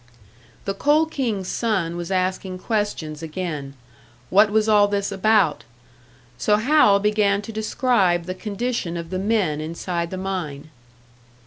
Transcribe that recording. The Coal King's son was asking questions again. What was all this about? So Hal began to describe the condition of the men inside the mine.